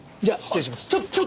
じゃあ失礼します。